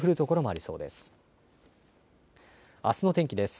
あすの天気です。